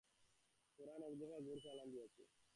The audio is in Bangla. পরাণ একদফা গুড় চালান দিয়াছে।